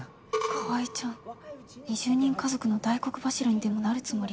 川合ちゃん２０人家族の大黒柱にでもなるつもり？